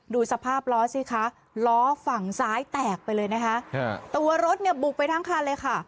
ดูสภาพล้อสิคะล้อฝั่งซ้ายแตกไปเลยนะคะตัวรถเนี่ยบุกไปทั้งคันเลยค่ะ